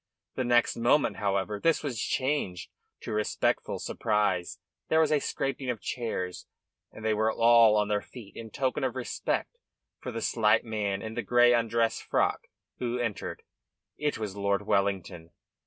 The next moment, however, this was changed to respectful surprise. There was a scraping of chairs and they were all on their feet in token of respect for the slight man in the grey undress frock who entered. It was Lord Wellington.